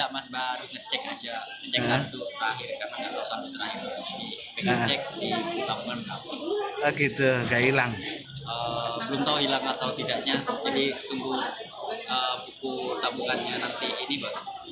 berita terkini mengenai cuaca ekstrem dua ribu dua puluh satu